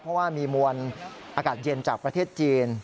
เพราะว่ามีมวลอากาศเย็นจากประเทศจีน